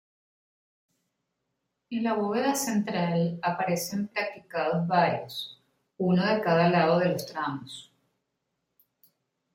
En la bóveda central, aparecen practicados varios, uno de cada lado de los tramos.